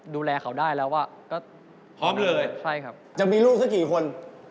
จะมีลูกที่จะกี่คน